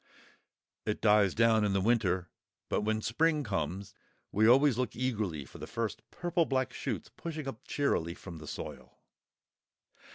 It dies down in the winter, but when spring comes we always look eagerly for the first purple black shoots pushing up cheerily from the soil.